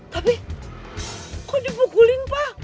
tapi kok dipukulin pa